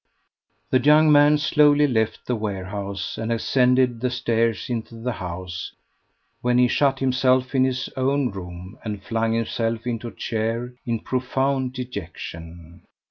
The young man slowly left the warehouse and ascended the stairs into the house, when he shut himself in his own room, and flung himself into a chair, in profound dejection.